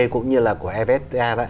cũng như là của evta